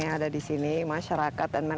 yang ada di sini masyarakat dan